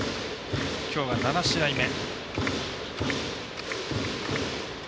きょうが７試合目。